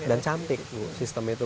dan cantik tuh sistem itu